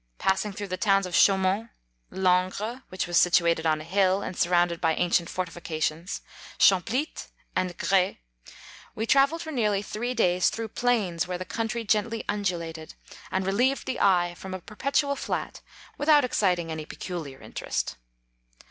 Passing through the towns of Chaumont, Langres (which was situ ated on a hill, and surrounded by an cient fortifications), Champlitte, and Gray, we travelled for nearly three days through plains, where the coun try gently undulated, and relieved the eye from a perpetual flat, without ex citing any peculiar interest.